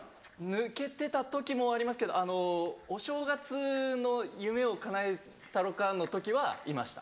抜けてた時もありますけどお正月の『夢をかなえたろか』の時はいました。